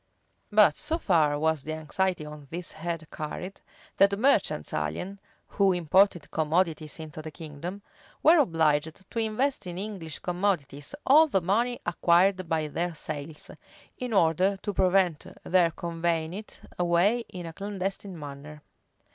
8. But so far was the anxiety on this head carried, that merchants alien, who imported commodities into the kingdom, were obliged to invest in English commodities all the money acquired by their sales, in order to prevent their conveying it away in a clandestine manner.